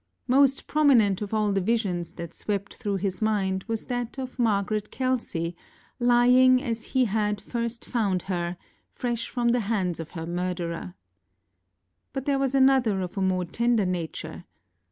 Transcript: Most prominent of all the visions that swept through his mind was that of Margaret Kelsey, lying as he had first found her, fresh from the hands of her murderer. But there was another of a more tender nature.